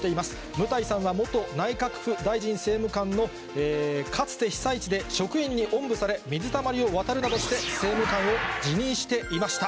務台さんは元内閣府大臣政務官のかつて被災地で職員におんぶされ、水たまりを渡るなどして、政務官を辞任していました。